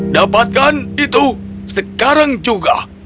dapatkan itu sekarang juga